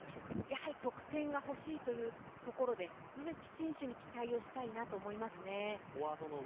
やはり得点が欲しいというところで植木選手に期待したいと思います。